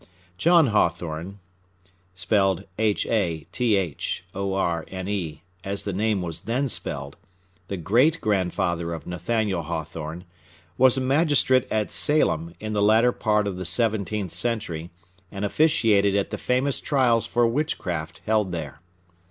John Hathorne (as the name was then spelled), the great grandfather of Nathaniel Hawthorne, was a magistrate at Salem in the latter part of the seventeenth century, and officiated at the famous trials for witchcraft held there.